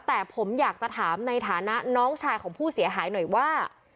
แต่ผมอยากจะถามในฐานะน้องชายของผู้เสียหายหน่อยว่า